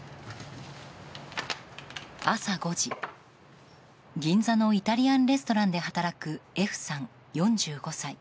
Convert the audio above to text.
朝５時、銀座のイタリアンレストランで働くＦさん、４５歳。